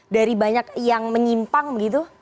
dari banyak yang menyimpang begitu